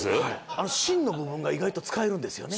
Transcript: あの芯の部分が意外と使えるんですよね。